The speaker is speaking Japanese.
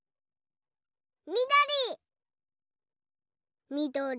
みどりみどり。